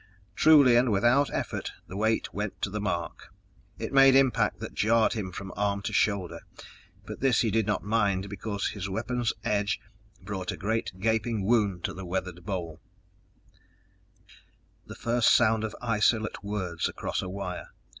Truly and without effort the weight went to the mark. It made impact that jarred him from arm to shoulder, but this he did not mind because his weapon's edge brought a great gaping wound to the weathered bole. _... the first sound of isolate words across a wire.